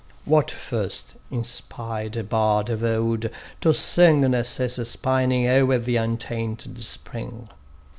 What first inspired a bard of old to sing Narcissus pining o'er the untainted spring?